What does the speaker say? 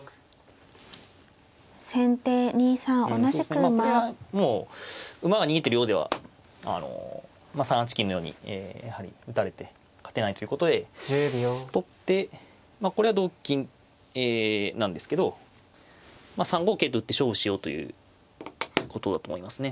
まあこれはもう馬が逃げてるようでは３八金のようにやはり打たれて勝てないということで取ってまあこれは同金なんですけど３五桂と打って勝負しようということだと思いますね。